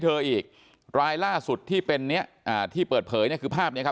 อีกรายล่าสุดที่เป็นเนี้ยอ่าที่เปิดเผยเนี่ยคือภาพเนี้ยครับ